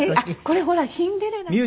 これほら『シンデレラ』の時。